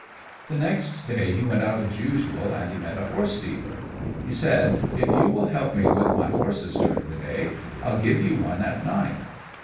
The next day he went out as usual, and he met a horse dealer. He said, "If you will help me with my horses during the day, I'll give you one at night."